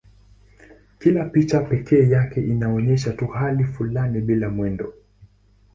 Kila picha pekee yake inaonyesha tu hali fulani bila mwendo.